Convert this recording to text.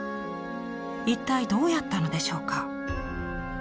一体どうやったのでしょうか。